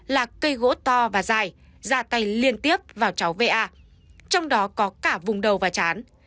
là cây gỗ to và dài ra tay liên tiếp vào cháu va trong đó có cả vùng đầu và chán